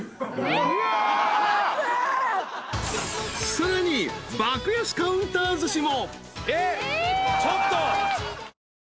［さらに爆安カウンターずしも］